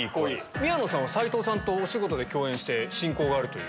宮野さんは斎藤さんとお仕事で共演して親交があるという。